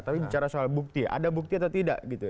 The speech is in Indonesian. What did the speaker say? tapi bicara soal bukti ada bukti atau tidak gitu